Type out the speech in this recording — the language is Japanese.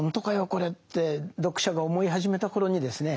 これって読者が思い始めた頃にですね